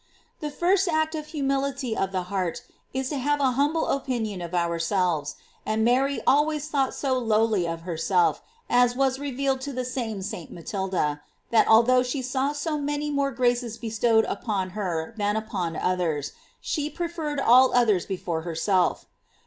J The first act of humility of heart is to have an humble opinion of ourselves; and Mary always thought so lowly of herself, as was revealed to the same St. Matilda, that although she saw so many more graces bestowed upon her than upon others, she preferred all others before herself.